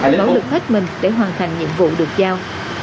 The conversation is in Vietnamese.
nỗ lực hết mình để hoàn thành nhiệm vụ được giao